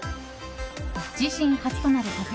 自身初となる個展